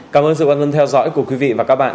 cảm ơn sự quan tâm theo dõi của quý vị và các bạn